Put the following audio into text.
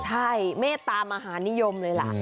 ใช่เมตตามหานิยมเลยล่ะ